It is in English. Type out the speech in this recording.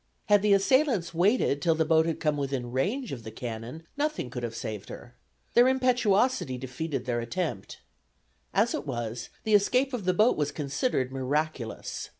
Had the assailants waited till the boat had come within range of the cannon nothing could have saved her. Their impetuosity defeated their attempt. As it was, the escape of the boat was considered miraculous.